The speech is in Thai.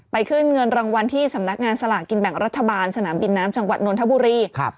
ขึ้นเงินรางวัลที่สำนักงานสลากกินแบ่งรัฐบาลสนามบินน้ำจังหวัดนทบุรี